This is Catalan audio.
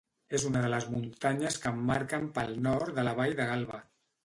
És una de les muntanyes que emmarquen pel nord la vall de Galba.